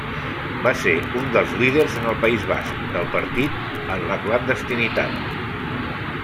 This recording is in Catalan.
Va ser un dels líders en el País Basc del partit en la clandestinitat.